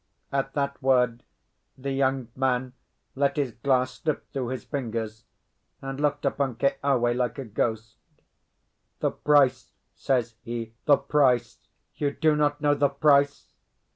At that word the young man let his glass slip through his fingers, and looked upon Keawe like a ghost. "The price," says he; "the price! You do not know the price?"